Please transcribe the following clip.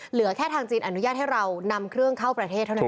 เหลือแค่ทางจีนอนุญาตให้เรานำเครื่องเข้าประเทศเท่านั้นเอง